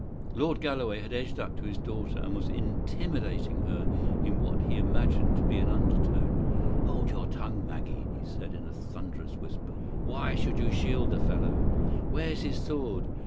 Lord Galloway had edged up to his daughter, and was intimidating her in what he imagined to be an undertone. "Hold your tongue, Maggie," he said in a thunderous whisper. "Why should you shield the fellow? Where's his sword?